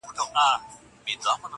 • د بچیو له ماتمه ژړېدله -